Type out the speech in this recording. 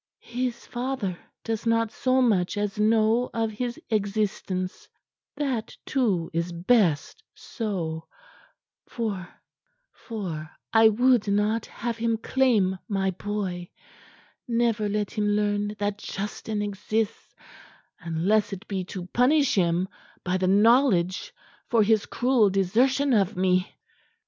His father does not so much as know of his existence. That, too, is best so, for I would not have him claim my boy. Never let him learn that Justin exists, unless it be to punish him by the knowledge for his cruel desertion of me."